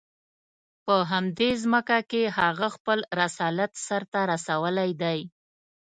په همدې ځمکه کې هغه خپل رسالت سر ته رسولی دی.